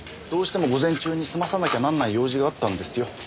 どうしても午前中に済まさなきゃなんない用事があったんですよ。